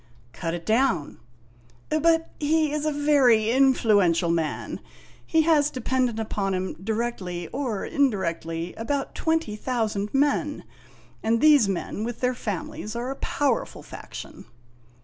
" Cut it down." " But he is a very influential man ; he has dependent upon him, directly or indirectly, about twenty thousand men, and these men, with their families, are a powerful faction.